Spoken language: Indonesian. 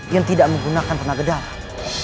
yang tidak menggunakan tenaga darah